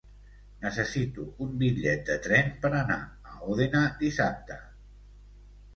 Necessito un bitllet de tren per anar a Òdena dissabte.